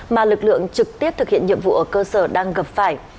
mà lực lượng trực tiếp thực hiện nhiệm vụ ở cơ sở đang gặp phải